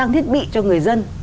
thiết bị cho người dân